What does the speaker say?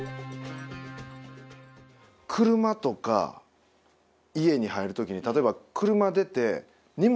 車とか家に入る時に例えば車出て荷物